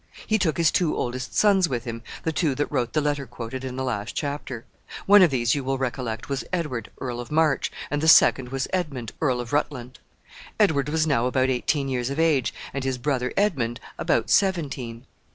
He took his two oldest sons with him, the two that wrote the letter quoted in the last chapter. One of these you will recollect was Edward, Earl of Marche, and the second was Edmund, Earl of Rutland. Edward was now about eighteen years of age, and his brother Edmund about seventeen.